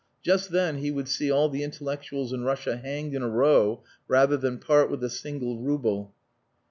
Just then he would see all the intellectuals in Russia hanged in a row rather than part with a single rouble.